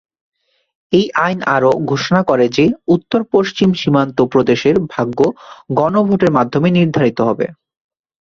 এই আইন আরো ঘোষণা করে যে উত্তর-পশ্চিম সীমান্ত প্রদেশের ভাগ্য গণভোটের মাধ্যমে নির্ধারিত হবে।